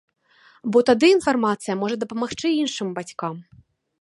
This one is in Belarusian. Бо тады інфармацыя можа дапамагчы іншым бацькам.